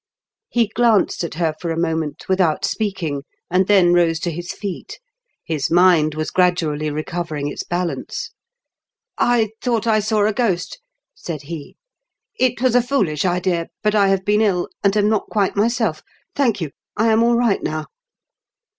He glanced at her for a moment without speaking, and then rose to his feet. His mind was gradually recovering its balance. " I thought I saw a ghost," said he. " It was a foolish idea, but I have been ill, and am not quite myself. Thank you I I am all right now."